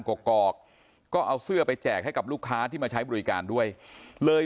กอกก็เอาเสื้อไปแจกให้กับลูกค้าที่มาใช้บริการด้วยเลย